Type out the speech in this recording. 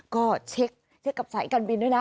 ก็เช็คกับสายการบินด้วยนะ